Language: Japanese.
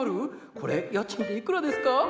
これ家賃っていくらですか？